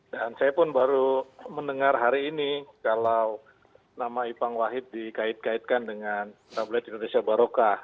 dan saya pun baru mendengar hari ini kalau nama ipang wahid dikait kaitkan dengan tablet indonesia barokah